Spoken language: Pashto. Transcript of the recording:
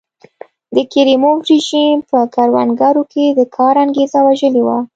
د کریموف رژیم په کروندګرو کې د کار انګېزه وژلې وه.